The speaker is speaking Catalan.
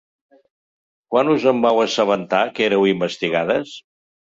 Quan us en vau assabentar, que éreu investigades?